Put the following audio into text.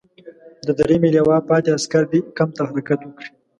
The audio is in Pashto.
د دریمې لواء پاتې عسکر دې کمپ ته حرکت وکړي.